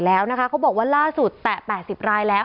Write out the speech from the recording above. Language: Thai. เขาบอกว่าล่าสุดแต่๘๐รายแล้ว